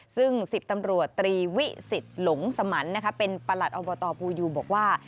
ซึ่ง๑๐ตำรวจตรีวิสิทธิ์หลงสมันเป็นประหลัดอบตภูยูบอกว่า